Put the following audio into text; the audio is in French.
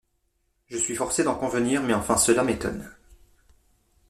Je suis forcé d’en convenir, mais enfin cela m’étonne.